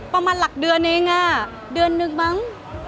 ประมาณหลักเดือนเองอ่ะเดือนหนึ่งมั้ง